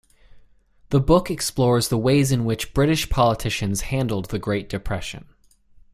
The book explores the ways in which British politicians handled the Great Depression.